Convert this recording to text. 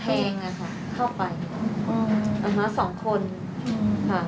ตรงกำแพงอะค่ะเข้าไปอืมอ่าฮะสองคนอืมค่ะ